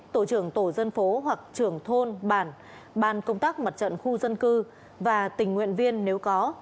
tổ trưởng tổ dân phố hoặc trưởng thôn bàn ban công tác mặt trận khu dân cư và tình nguyện viên nếu có